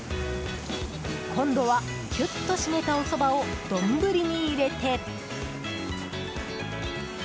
今度はキュッと締めたおそばを丼に入れて。